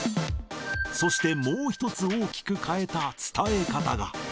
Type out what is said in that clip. そしてもう一つ大きく変えた伝え方が。